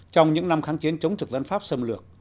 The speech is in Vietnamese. trong những năm kháng chiến chống thực dân pháp xâm lược